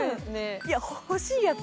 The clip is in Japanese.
いや欲しいやつ。